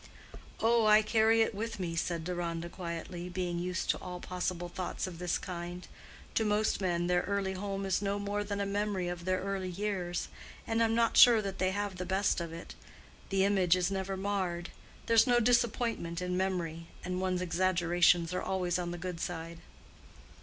"Oh, I carry it with me," said Deronda, quietly, being used to all possible thoughts of this kind. "To most men their early home is no more than a memory of their early years, and I'm not sure but they have the best of it. The image is never marred. There's no disappointment in memory, and one's exaggerations are always on the good side."